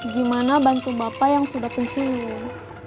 gimana bantu bapak yang sudah pensiun